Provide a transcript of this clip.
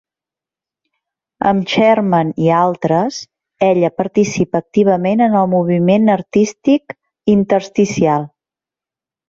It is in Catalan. Amb Sherman i altres, ella participa activament en el moviment artístic intersticial.